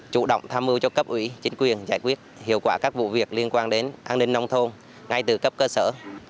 chủ động tham mưu cho cấp ủy chính quyền giải quyết hiệu quả các vụ việc liên quan đến an ninh nông thôn ngay từ cấp cơ sở